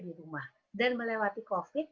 di rumah dan melewati covid